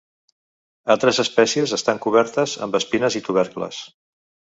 Altres espècies estan cobertes amb espines i tubercles.